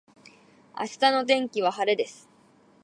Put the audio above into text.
明日の天気は晴れです。